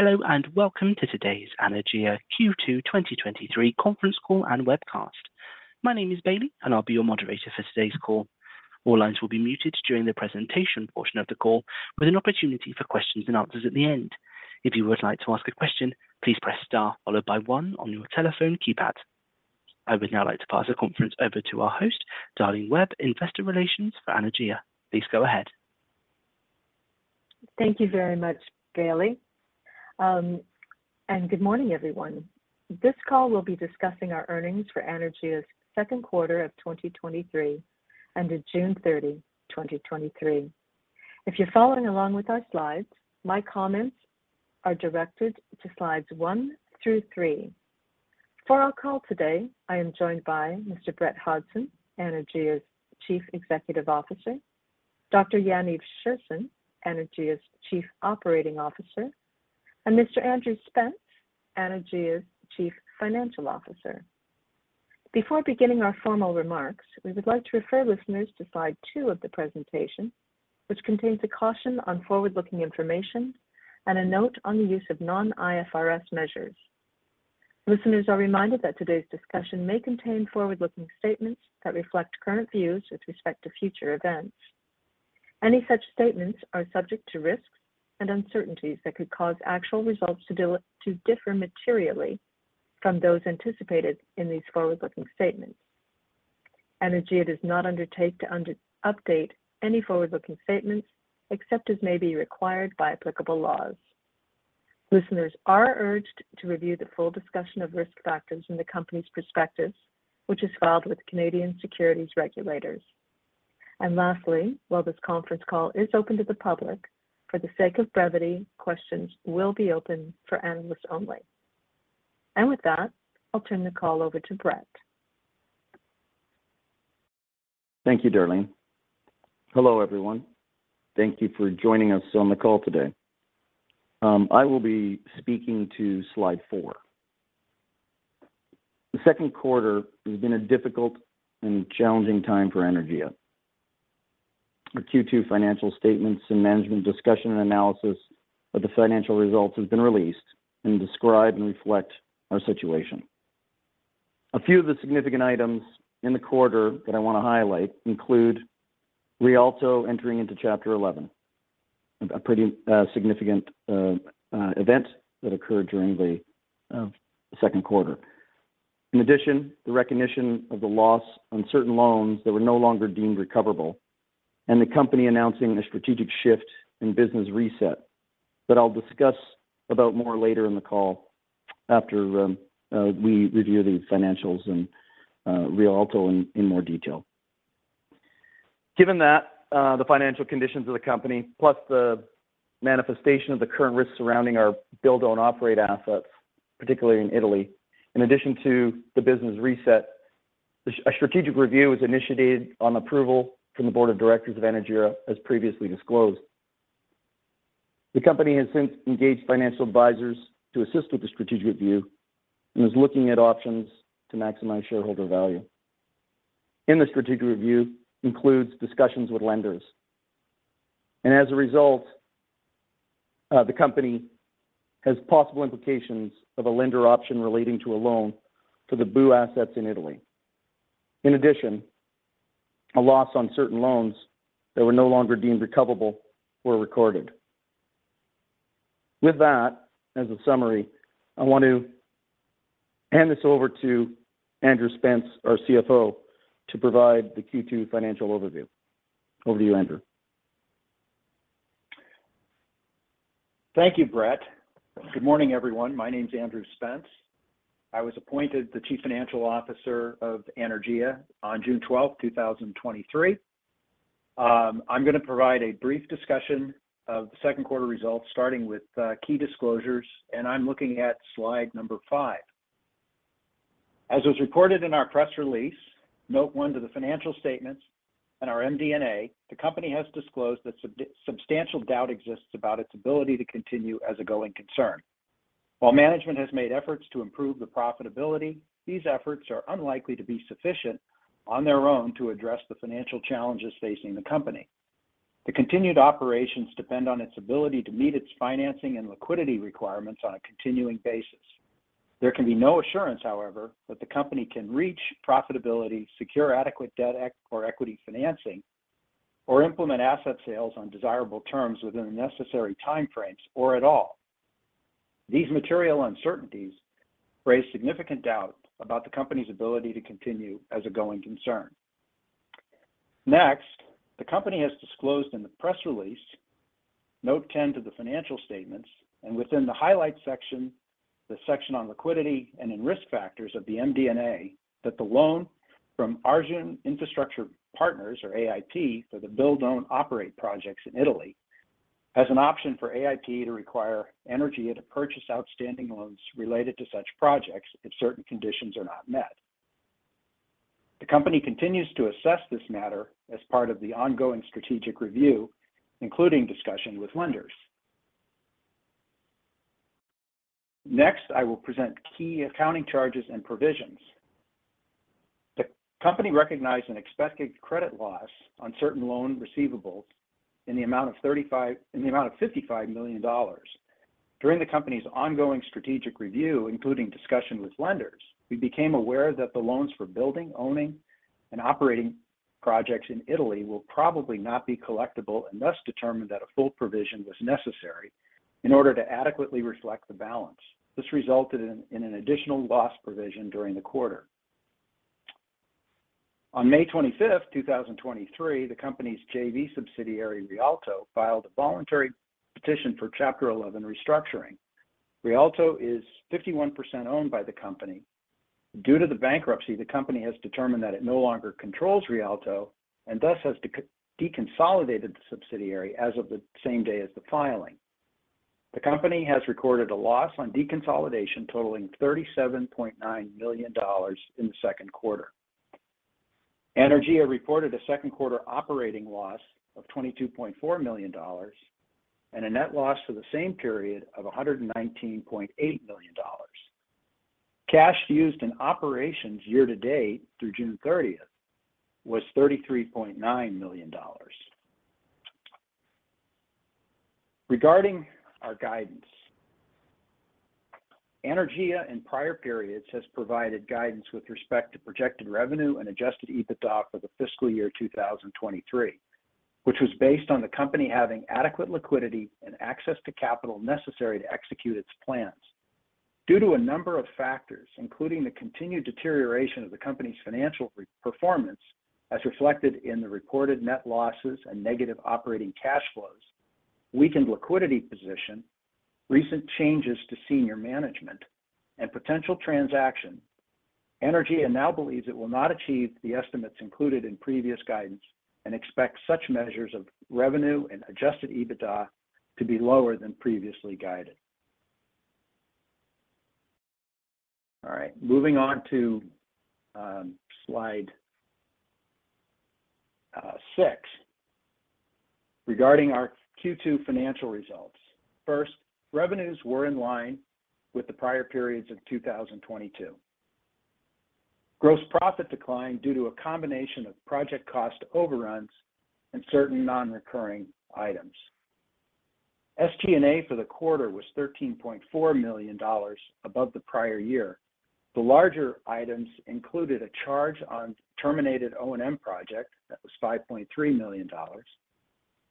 Hello, welcome to today's Anaergia Q2 2023 conference call and webcast. My name is Bailey, and I'll be your moderator for today's call. All lines will be muted during the presentation portion of the call, with an opportunity for questions and answers at the end. If you would like to ask a question, please press star followed by one on your telephone keypad. I would now like to pass the conference over to our host, Darlene Webb, Investor Relations for Anaergia. Please go ahead. Thank you very much, Bailey. Good morning, everyone. This call will be discussing our earnings for Anaergia's second quarter of 2023 ended June 30, 2023. If you're following along with our slides, my comments are directed to slides 1 through 3. For our call today, I am joined by Mr. Brett Hodson, Anaergia's Chief Executive Officer, Dr. Yaniv Scherson, Anaergia's Chief Operating Officer, and Mr. Andrew Spence, Anaergia's Chief Financial Officer. Before beginning our formal remarks, we would like to refer listeners to slide 2 of the presentation, which contains a caution on forward-looking information and a note on the use of non-IFRS measures. Listeners are reminded that today's discussion may contain forward-looking statements that reflect current views with respect to future events. Any such statements are subject to risks and uncertainties that could cause actual results to differ materially from those anticipated in these forward-looking statements. Anaergia does not undertake to update any forward-looking statements except as may be required by applicable laws. Listeners are urged to review the full discussion of risk factors in the company's prospectus, which is filed with the Canadian Securities Regulators. Lastly, while this conference call is open to the public, for the sake of brevity, questions will be open for analysts only. With that, I'll turn the call over to Brett. Thank you, Darlene. Hello, everyone. Thank you for joining us on the call today. I will be speaking to slide 4. The second quarter has been a difficult and challenging time for Anaergia. The Q2 financial statements and management's discussion and analysis of the financial results have been released and describe and reflect our situation. A few of the significant items in the quarter that I want to highlight include Rialto entering into Chapter 11, a pretty significant event that occurred during the second quarter. In addition, the recognition of the loss on certain loans that were no longer deemed recoverable, and the company announcing a strategic shift in business reset that I'll discuss about more later in the call after we review these financials and Rialto in more detail. Given that, the financial conditions of the company, plus the manifestation of the current risks surrounding our Build-Own-Operate assets, particularly in Italy, in addition to the business reset, a strategic review was initiated on approval from the Board of Directors of Anaergia, as previously disclosed. The company has since engaged financial advisors to assist with the strategic review and is looking at options to maximize shareholder value. In the strategic review, includes discussions with lenders, and as a result, the company has possible implications of a lender option relating to a loan to the BOO assets in Italy. In addition, a loss on certain loans that were no longer deemed recoverable were recorded. With that, as a summary, I want to hand this over to Andrew Spence, our CFO, to provide the Q2 financial overview. Over to you, Andrew. Thank you, Brett. Good morning, everyone. My name is Andrew Spence. I was appointed the Chief Financial Officer of Anaergia on June 12th, 2023. I'm going to provide a brief discussion of the second quarter results, starting with key disclosures. I'm looking at slide 5. As was reported in our press release, note 1 to the financial statements and our MD&A, the company has disclosed that substantial doubt exists about its ability to continue as a going concern. While management has made efforts to improve the profitability, these efforts are unlikely to be sufficient on their own to address the financial challenges facing the company. The continued operations depend on its ability to meet its financing and liquidity requirements on a continuing basis. There can be no assurance, however, that the company can reach profitability, secure adequate debt or equity financing, or implement asset sales on desirable terms within the necessary time frames or at all. These material uncertainties raise significant doubt about the company's ability to continue as a going concern. Next, the company has disclosed in the press release, note 10 to the financial statements, and within the highlight section, the section on liquidity and in risk factors of the MD&A, that the loan from Arjun Infrastructure Partners, or AIP, for the build, own, operate projects in Italy, has an option for AIP to require Anaergia to purchase outstanding loans related to such projects if certain conditions are not met. The company continues to assess this matter as part of the ongoing strategic review, including discussion with lenders. Next, I will present key accounting charges and provisions.... The company recognized an expected credit loss on certain loan receivables in the amount of $55 million. During the company's ongoing strategic review, including discussion with lenders, we became aware that the loans for building, owning, and operating projects in Italy will probably not be collectible, and thus determined that a full provision was necessary in order to adequately reflect the balance. This resulted in an additional loss provision during the quarter. On May 25, 2023, the company's JV subsidiary, Rialto, filed a voluntary petition for Chapter 11 restructuring. Rialto is 51% owned by the company. Due to the bankruptcy, the company has determined that it no longer controls Rialto, and thus has deconsolidated the subsidiary as of the same day as the filing. The company has recorded a loss on deconsolidation totaling $37.9 million in the second quarter. Anaergia reported a second quarter operating loss of $22.4 million, and a net loss for the same period of $119.8 million. Cash used in operations year to date through June thirtieth was $33.9 million. Regarding our guidance, Anaergia, in prior periods, has provided guidance with respect to projected revenue and Adjusted EBITDA for the fiscal year 2023, which was based on the company having adequate liquidity and access to capital necessary to execute its plans. Due to a number of factors, including the continued deterioration of the company's financial performance, as reflected in the reported net losses and negative operating cash flows, weakened liquidity position, recent changes to senior management, and potential transaction, Anaergia now believes it will not achieve the estimates included in previous guidance, and expects such measures of revenue and Adjusted EBITDA to be lower than previously guided. All right, moving on to slide 6. Regarding our Q2 financial results, first, revenues were in line with the prior periods of 2022. Gross profit declined due to a combination of project cost overruns and certain non-recurring items. SG&A for the quarter was $13.4 million above the prior year. The larger items included a charge on terminated O&M project that was $5.3 million,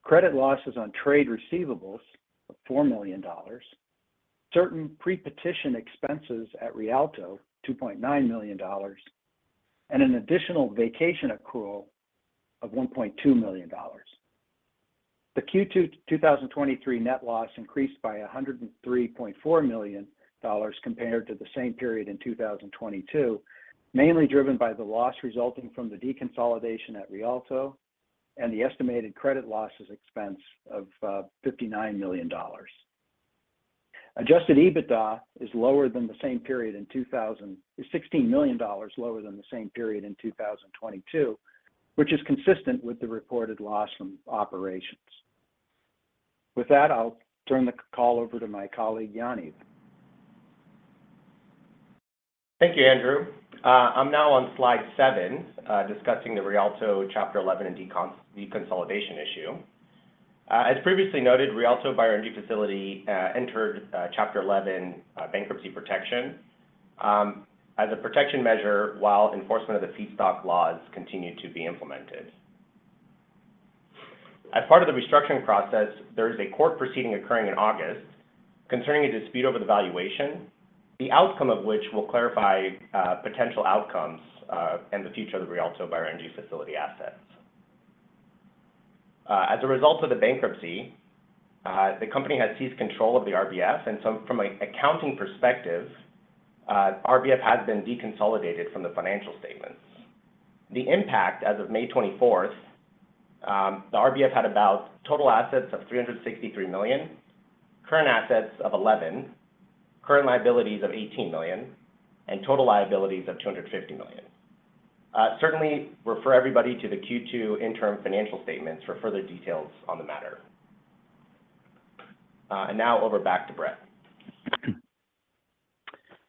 credit losses on trade receivables of $4 million, certain pre-petition expenses at Rialto, $2.9 million, and an additional vacation accrual of $1.2 million. The Q2 2023 net loss increased by $103.4 million compared to the same period in 2022, mainly driven by the loss resulting from the deconsolidation at Rialto and the estimated credit losses expense of $59 million. Adjusted EBITDA is $16 million lower than the same period in 2022, which is consistent with the reported loss from operations. With that, I'll turn the call over to my colleague, Yaniv. Thank you, Andrew. I'm now on slide seven, discussing the Rialto Chapter 11 and decon- deconsolidation issue. As previously noted, Rialto Bioenergy Facility, entered Chapter 11 bankruptcy protection, as a protection measure while enforcement of the feedstock laws continued to be implemented. As part of the restructuring process, there is a court proceeding occurring in August concerning a dispute over the valuation, the outcome of which will clarify potential outcomes, and the future of the Rialto Bioenergy Facility assets. As a result of the bankruptcy, the company has ceased control of the RBF, and so from an accounting perspective, RBF has been deconsolidated from the financial statements. The impact as of May 24th, the RBF had about total assets of $363 million, current assets of $11, current liabilities of $18 million, and total liabilities of $250 million. Certainly refer everybody to the Q2 interim financial statements for further details on the matter. Now over back to Brett.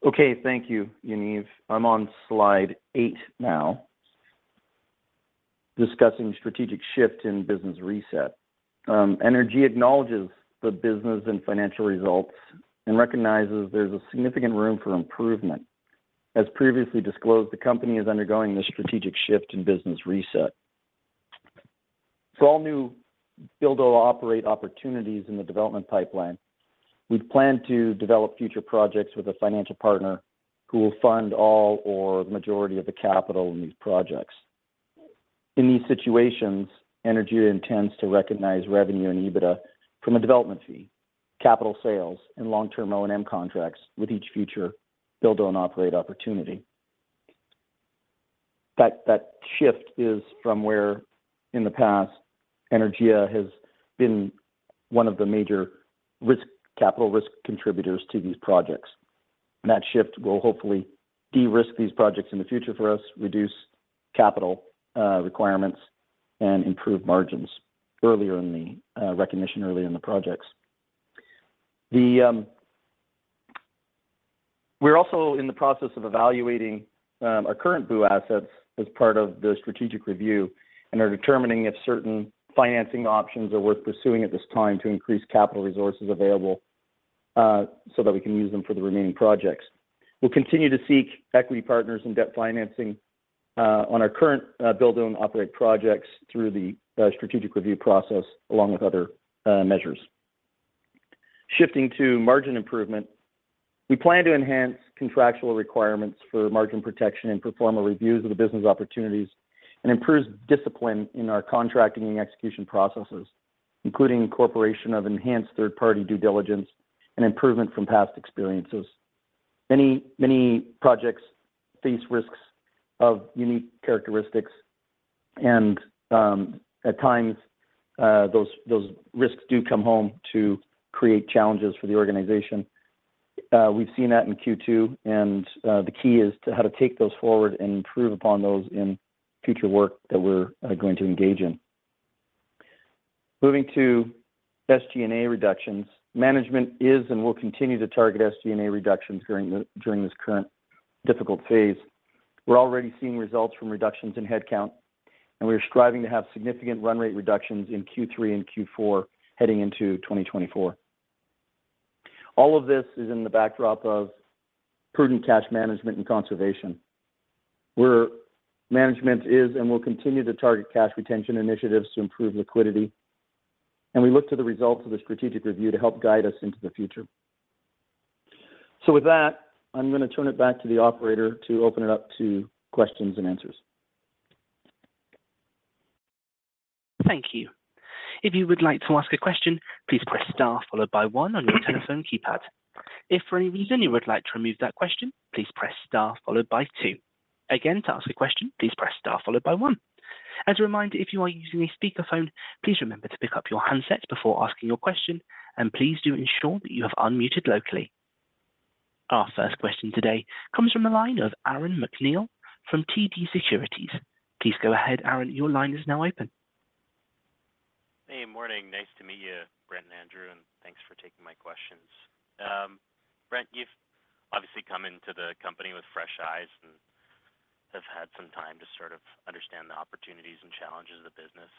Okay. Thank you, Yaniv. I'm on slide 8 now, discussing strategic shift in business reset. Anaergia acknowledges the business and financial results and recognizes there's a significant room for improvement. As previously disclosed, the company is undergoing a strategic shift in business reset. For all new build operate opportunities in the development pipeline, we plan to develop future projects with a financial partner who will fund all or majority of the capital in these projects. In these situations, Anaergia intends to recognize revenue and EBITDA from a development fee, capital sales, and long-term O&M contracts with each future build own operate opportunity. That shift is from where in the past, Anaergia has been one of the major capital risk contributors to these projects. That shift will hopefully de-risk these projects in the future for us, reduce capital requirements, and improve margins earlier in the recognition earlier in the projects. ... The, we're also in the process of evaluating, our current BOO assets as part of the strategic review, and are determining if certain financing options are worth pursuing at this time to increase capital resources available, so that we can use them for the remaining projects. We'll continue to seek equity partners and debt financing, on our current, Build-Own-Operate projects through the, strategic review process, along with other, measures. Shifting to margin improvement, we plan to enhance contractual requirements for margin protection and perform a reviews of the business opportunities and improves discipline in our contracting and execution processes, including incorporation of enhanced third-party due diligence and improvement from past experiences. Many, many projects face risks of unique characteristics, and, at times, those, those risks do come home to create challenges for the organization. We've seen that in Q2, and the key is to how to take those forward and improve upon those in future work that we're going to engage in. Moving to SG&A reductions. Management is and will continue to target SG&A reductions during this current difficult phase. We're already seeing results from reductions in headcount, and we are striving to have significant run rate reductions in Q3 and Q4 heading into 2024. All of this is in the backdrop of prudent cash management and conservation, where management is and will continue to target cash retention initiatives to improve liquidity, and we look to the results of the strategic review to help guide us into the future. With that, I'm going to turn it back to the operator to open it up to questions and answers. Thank you. If you would like to ask a question, please press star followed by one on your telephone keypad. If for any reason you would like to remove that question, please press star followed by two. Again, to ask a question, please press star followed by one. As a reminder, if you are using a speakerphone, please remember to pick up your handset before asking your question, and please do ensure that you have unmuted locally. Our first question today comes from the line of Aaron MacNeil from TD Securities. Please go ahead, Aaron. Your line is now open. Hey, morning. Nice to meet you, Brett and Andrew Spence, thanks for taking my questions. Brett, you've obviously come into the company with fresh eyes and have had some time to sort of understand the opportunities and challenges of the business.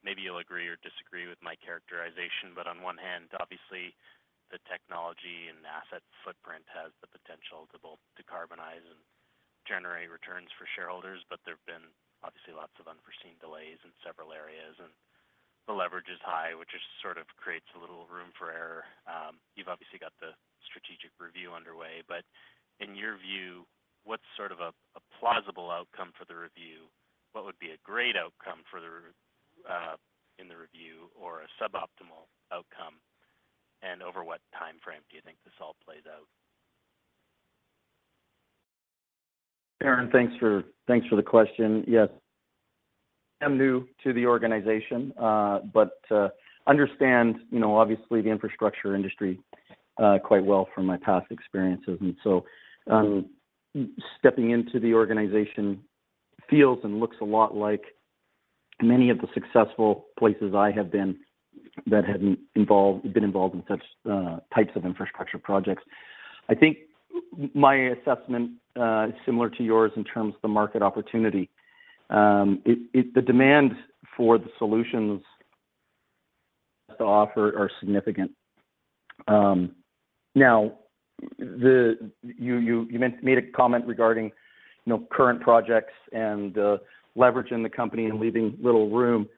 Maybe you'll agree or disagree with my characterization, but on one hand, obviously, the technology and asset footprint has the potential to both decarbonize and generate returns for shareholders, but there have been obviously lots of unforeseen delays in several areas, and the leverage is high, which just sort of creates a little room for error. You've obviously got the strategic review underway, but in your view, what's sort of a plausible outcome for the review? What would be a great outcome for the review or a suboptimal outcome? Over what time frame do you think this all plays out? Aaron, thanks for, thanks for the question. Yes, I'm new to the organization, but understand, you know, obviously the infrastructure industry quite well from my past experiences. Stepping into the organization feels and looks a lot like many of the successful places I have been that have been involved-- been involved in such types of infrastructure projects. I think m-my assessment is similar to yours in terms of the market opportunity. It, it-- the demand for the solutions to offer are significant. Now, the... You, you, you meant-- made a comment regarding, you know, current projects and leverage in the company and leaving little room.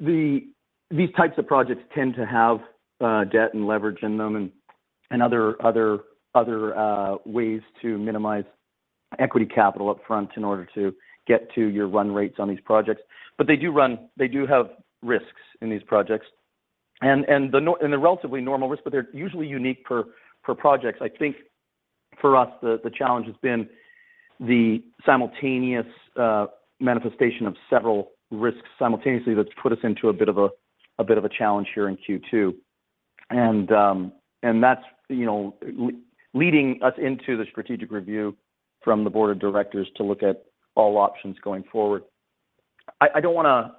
These types of projects tend to have debt and leverage in them and, and other, other, other ways to minimize equity capital upfront in order to get to your run rates on these projects. They do have risks in these projects and, and they're relatively normal risks, but they're usually unique per, per projects. I think for us, the, the challenge has been the simultaneous manifestation of several risks simultaneously that's put us into a bit of a, a bit of a challenge here in Q2. That's, you know, leading us into the strategic review from the board of directors to look at all options going forward. I, I don't wanna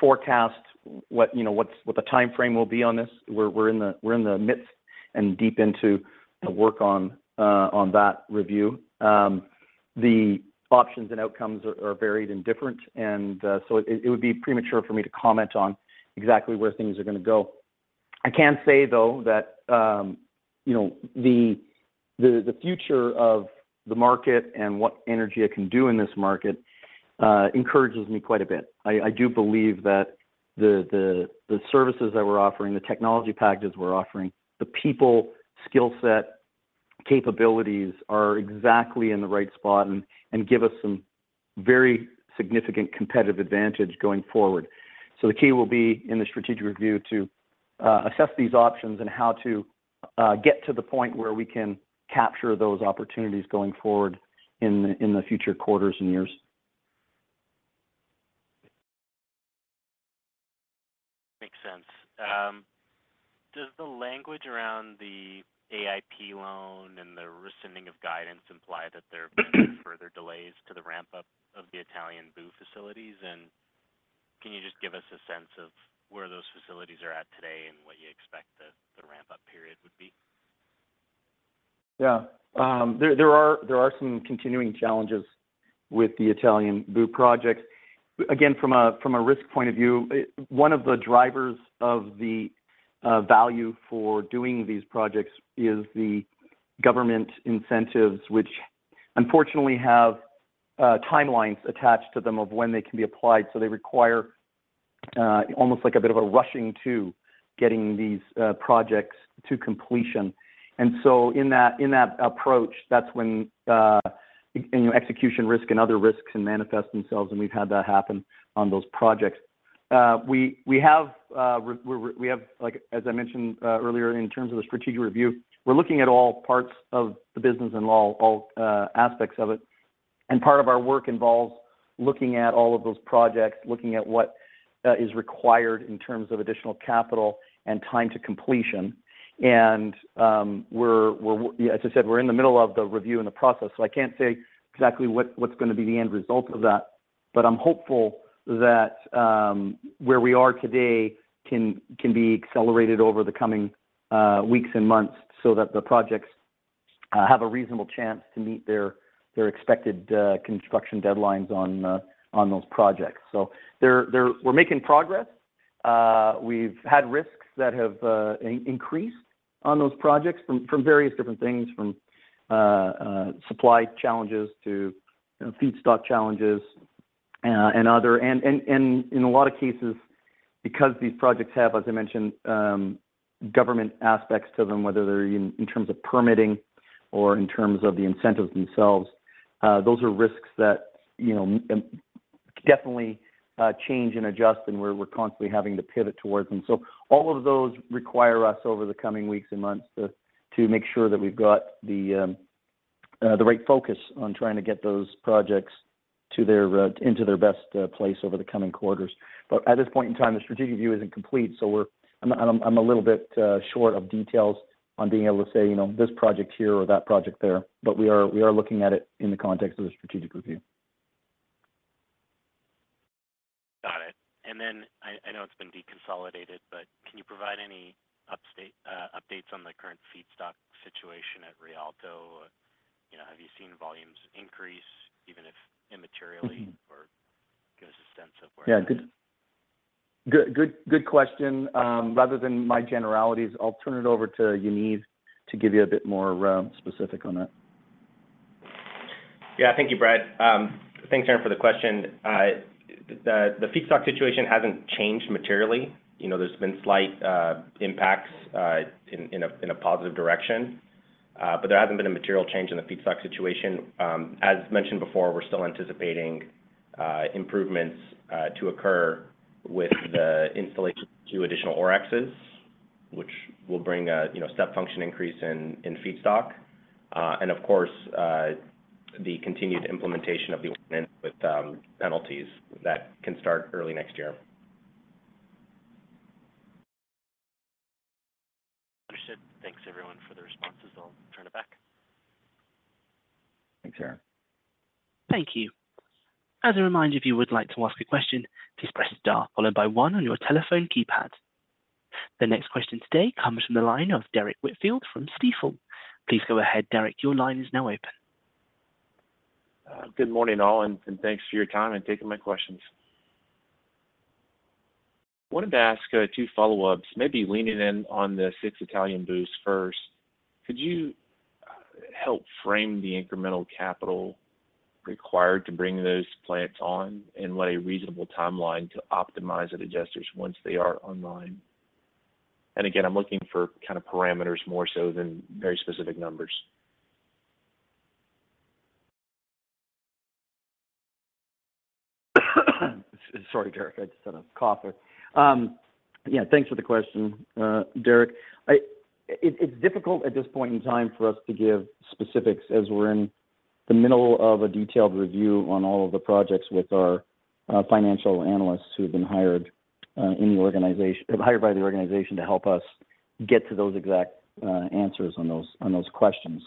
forecast what, you know, what the time frame will be on this. We're, we're in the, we're in the midst and deep into the work on that review. The options and outcomes are, are varied and different, and, so it, it would be premature for me to comment on exactly where things are gonna go. I can say, though, that, you know, the, the, the future of the market and what Anaergia can do in this market encourages me quite a bit. I, I do believe that the, the, the services that we're offering, the technology packages we're offering, the people, skill set, capabilities are exactly in the right spot and, and give us some very significant competitive advantage going forward. The key will be in the strategic review to assess these options and how to get to the point where we can capture those opportunities going forward in the future quarters and years. Makes sense. Does the language around the AIP loan and the rescinding of guidance imply that there have been further delays to the ramp-up of the Italian BOO facilities? Can you just give us a sense of where those facilities are at today and what you expect the, the ramp-up period would be? Yeah, there are some continuing challenges with the Italian BOO projects. Again, from a risk point of view, one of the drivers of the value for doing these projects is the government incentives, which unfortunately have timelines attached to them of when they can be applied. They require almost like a bit of a rushing to getting these projects to completion. In that, i n that approach, that's when your execution risk and other risks can manifest themselves, and we've had that happen on those projects. We have, like, as I mentioned earlier, in terms of the strategic review, we're looking at all parts of the business and all aspects of it. Part of our work involves looking at all of those projects, looking at what is required in terms of additional capital and time to completion. As I said, we're in the middle of the review and the process, so I can't say exactly what, what's gonna be the end result of that. I'm hopeful that where we are today can be accelerated over the coming weeks and months so that the projects have a reasonable chance to meet their expected construction deadlines on those projects. We're making progress. We've had risks that have increased on those projects from various different things, from supply challenges to, you know, feedstock challenges, and other. In a lot of cases, because these projects have, as I mentioned, government aspects to them, whether they're in, in terms of permitting or in terms of the incentives themselves, those are risks that, you know, definitely change and adjust, and we're constantly having to pivot towards them. All of those require us over the coming weeks and months to, to make sure that we've got the right focus on trying to get those projects to their into their best place over the coming quarters. At this point in time, the strategic view isn't complete, so I'm a little bit short of details on being able to say, you know, this project here or that project there, but we are, we are looking at it in the context of the strategic review. Got it. Then I, I know it's been deconsolidated, but can you provide any updates on the current feedstock situation at Rialto? You know, have you seen volumes increase, even if immaterially. Mm-hmm. -or give us a sense of where- Yeah, good, good, good question. Yeah. Rather than my generalities, I'll turn it over to Yaniv to give you a bit more specific on that. Yeah. Thank you, Brett. Thanks, Aaron, for the question. The feedstock situation hasn't changed materially. You know, there's been slight impacts in a positive direction, there hasn't been a material change in the feedstock situation. As mentioned before, we're still anticipating improvements to occur with the installation of 2 additional OREXes, which will bring a, you know, step function increase in feedstock. Of course, the continued implementation of the with penalties that can start early next year. Understood. Thanks, everyone, for the responses. I'll turn it back. Thanks, Aaron. Thank you. As a reminder, if you would like to ask a question, please press star followed by one on your telephone keypad. The next question today comes from the line of Derrick Whitfield from Stifel. Please go ahead, Derek. Your line is now open. Good morning, all, and thanks for your time and taking my questions. Wanted to ask 2 follow-ups, maybe leaning in on the 6 Italian BOOs first. Could you help frame the incremental capital required to bring those plants on, and what a reasonable timeline to optimize the adjusters once they are online? Again, I'm looking for kind of parameters more so than very specific numbers. Sorry, Derek, I just had a cough there. Yeah, thanks for the question, Derek. It's difficult at this point in time for us to give specifics, as we're in the middle of a detailed review on all of the projects with our financial analysts who have been hired in the organization, hired by the organization to help us get to those exact answers on those, on those questions.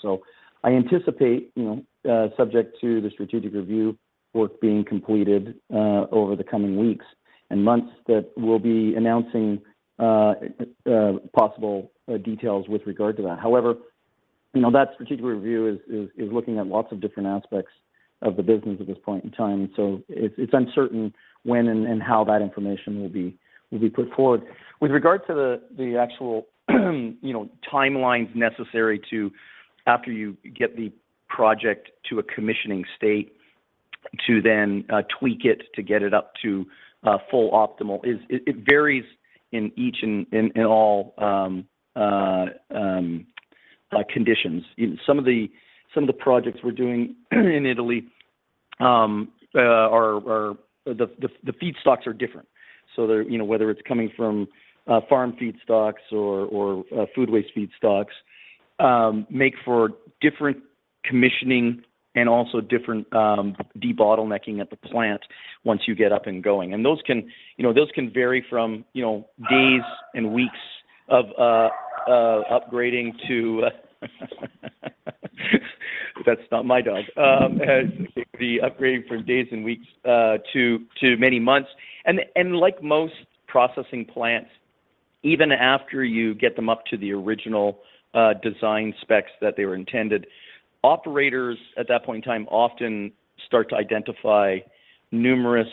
I anticipate, you know, subject to the strategic review work being completed over the coming weeks and months, that we'll be announcing possible details with regard to that. However, you know, that strategic review is, is, is looking at lots of different aspects of the business at this point in time, so it's, it's uncertain when and, and how that information will be, will be put forward. With regard to the, the actual, you know, timelines necessary to, after you get the project to a commissioning state, to then tweak it to get it up to full optimal, is, it varies in each and in, and all conditions. In some of the, some of the projects we're doing in Italy, are. The feedstocks are different. They're, you know, whether it's coming from farm feedstocks or, or food waste feedstocks, make for different commissioning and also different debottlenecking at the plant once you get up and going. Those can, you know, those can vary from, you know, days and weeks of upgrading to. That's not my dog. The upgrading from days and weeks to, to many months. Like most processing plants, even after you get them up to the original, design specs that they were intended, operators at that point in time often start to identify numerous,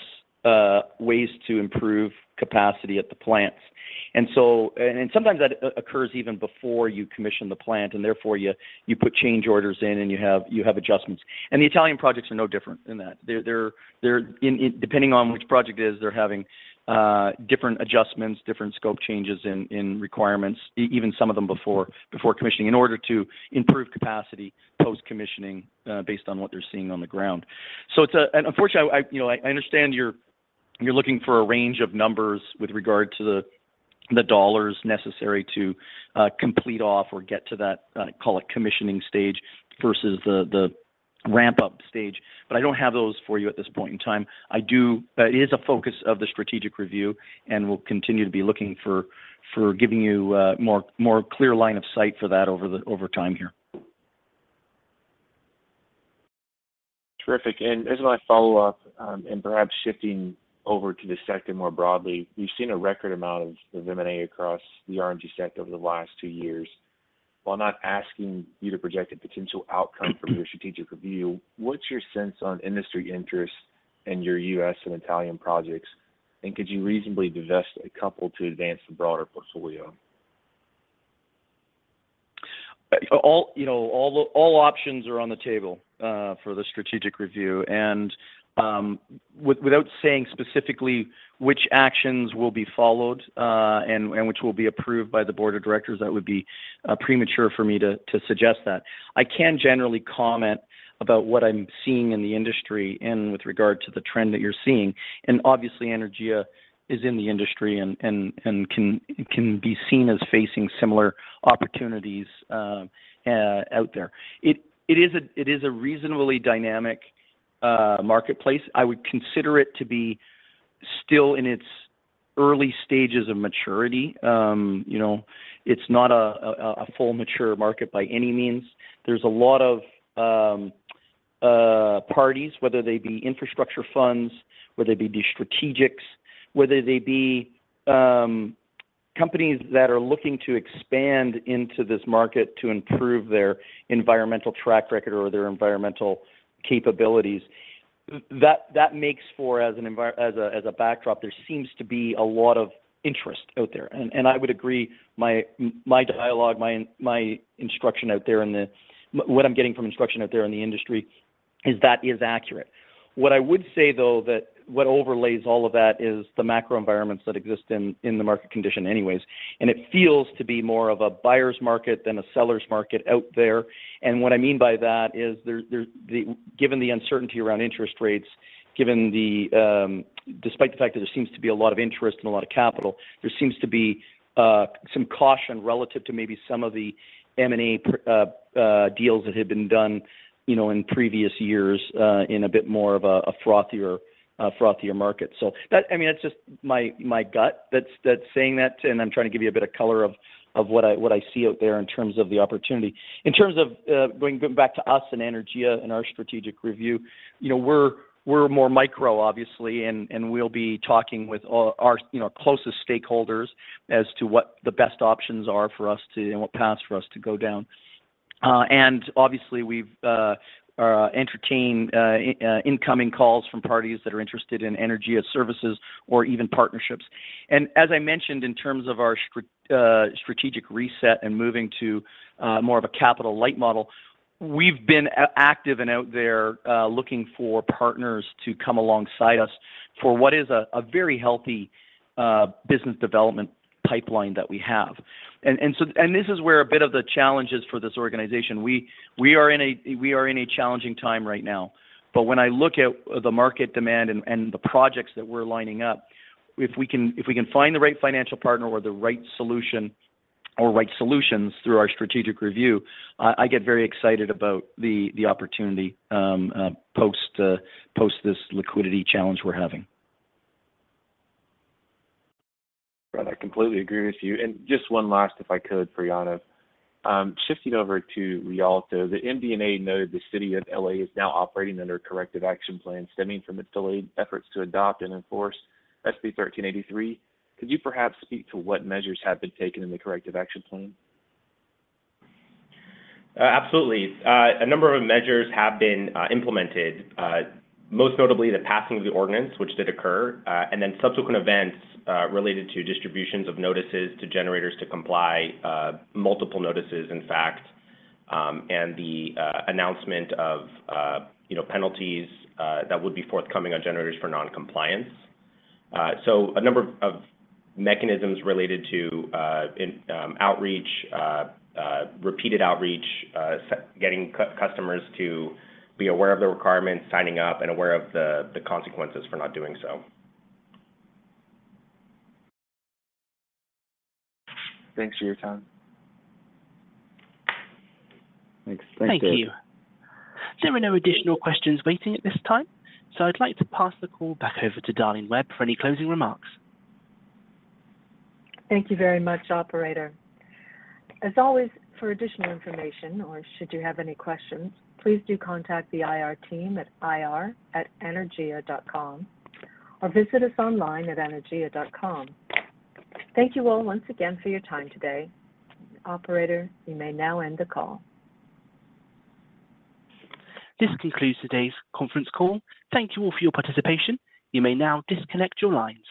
ways to improve capacity at the plants. Sometimes that occurs even before you commission the plant, and therefore, you, you put change orders in, and you have, you have adjustments. The Italian projects are no different than that. They're, they're, they're in, depending on which project it is, they're having, different adjustments, different scope changes in requirements, even some of them before, before commissioning, in order to improve capacity post-commissioning, based on what they're seeing on the ground. It's a... Unfortunately, I, you know, I understand you're, you're looking for a range of numbers with regard to the, the dollars necessary to complete off or get to that, call it commissioning stage versus the, the ramp-up stage, but I don't have those for you at this point in time. I do. That is a focus of the strategic review, and we'll continue to be looking for, for giving you more, more clear line of sight for that over the, over time here. Terrific. As my follow-up, and perhaps shifting over to the sector more broadly, we've seen a record amount of M&A across the RNG sector over the last two years. While not asking you to project a potential outcome for your strategic review, what's your sense on industry interest in your U.S. and Italian projects, and could you reasonably divest a couple to advance the broader portfolio? All, you know, all, all options are on the table for the strategic review. Without saying specifically which actions will be followed, and which will be approved by the board of directors, that would be premature for me to suggest that. I can generally comment about what I'm seeing in the industry and with regard to the trend that you're seeing. Obviously, Anaergia is in the industry and can be seen as facing similar opportunities out there. It is a reasonably dynamic marketplace. I would consider it to be still in its early stages of maturity. You know, it's not a full mature market by any means. There's a lot of parties, whether they be infrastructure funds, whether they be strategics, whether they be companies that are looking to expand into this market to improve their environmental track record or their environmental capabilities. That, that makes for as a, as a backdrop, there seems to be a lot of interest out there. I would agree, my, my dialogue, my, my instruction out there in the... What I'm getting from instruction out there in the industry is that is accurate. What I would say, though, that what overlays all of that is the macro environments that exist in, in the market condition anyways, and it feels to be more of a buyer's market than a seller's market out there. What I mean by that is there, there, given the uncertainty around interest rates, given the... Despite the fact that there seems to be a lot of interest and a lot of capital, there seems to be some caution relative to maybe some of the M&A deals that have been done, you know, in previous years, in a bit more of a, a frothier, frothier market. That, I mean, that's just my, my gut that's, that's saying that, and I'm trying to give you a bit of color of, of what I, what I see out there in terms of the opportunity. In terms of going, going back to us and Anaergia and our strategic review, you know, we're, we're more micro, obviously, and, and we'll be talking with all our, you know, closest stakeholders as to what the best options are for us to, and what paths for us to go down. Obviously, we've entertain incoming calls from parties that are interested in Anaergia services or even partnerships. As I mentioned, in terms of our strategic reset and moving to more of a capital-light model, we've been active and out there, looking for partners to come alongside us for what is a very healthy business development pipeline that we have. This is where a bit of the challenge is for this organization. We are in a challenging time right now. When I look at the market demand and the projects that we're lining up, if we can find the right financial partner or the right solution, or right solutions through our strategic review, I get very excited about the opportunity, post this liquidity challenge we're having. Right, I completely agree with you. Just one last, if I could, Priyanth. Shifting over to Rialto, the MD&A noted the city of L.A. is now operating under a corrective action plan stemming from its delayed efforts to adopt and enforce SB 1383. Could you perhaps speak to what measures have been taken in the corrective action plan? Absolutely. A number of measures have been implemented, most notably the passing of the ordinance, which did occur, and then subsequent events related to distributions of notices to generators to comply, multiple notices, in fact, and the announcement of, you know, penalties that would be forthcoming on generators for non-compliance. A number of mechanisms related to in outreach, repeated outreach, getting customers to be aware of the requirements, signing up, and aware of the consequences for not doing so. Thanks for your time. Thanks. Thank you. There are no additional questions waiting at this time. I'd like to pass the call back over to Darlene Webb for any closing remarks. Thank you very much, operator. As always, for additional information or should you have any questions, please do contact the IR team at ir@anaergia.com, or visit us online at anaergia.com. Thank you all once again for your time today. Operator, you may now end the call. This concludes today's conference call. Thank you all for your participation. You may now disconnect your lines.